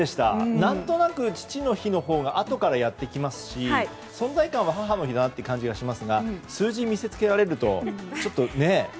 何となく父の日のほうがあとからやってきますし存在感は母の日だと思いますが数字で見せつけられるとちょっと、ね。